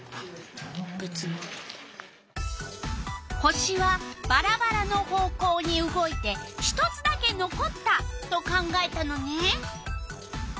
星はばらばらの方向に動いて１つだけのこったと考えたのね。